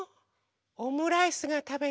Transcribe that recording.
オムライスがたべたい。